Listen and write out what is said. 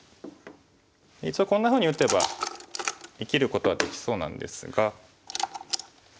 一応こんなふうに打てば生きることはできそうなんですが。